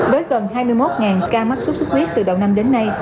với gần hai mươi một ca mắc sốt xuất huyết từ đầu năm đến nay